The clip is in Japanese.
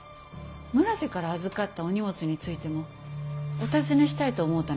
村瀬から預かったお荷物についてもお尋ねしたいと思うたのです。